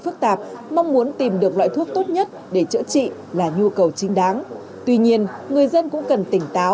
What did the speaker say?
không có ý định không có ý định không có ý định không có ý định